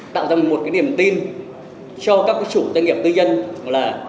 tạo ra một cái niềm tin cho các cái chủ doanh nghiệp tư nhân là